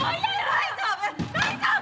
大丈夫大丈夫。